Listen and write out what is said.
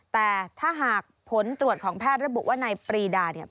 แต่ถ้าหากผลตรวจของแพทย์ระบุว่าในปรีดา